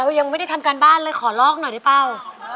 ยังไม่ได้ทำการบ้านเลยขอลอกหน่อยได้เป้า